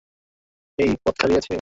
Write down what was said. হেই, পথ খালি আছে?